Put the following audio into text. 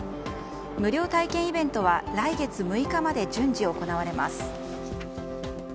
無料体験イベントは来月６日まで順次行われます。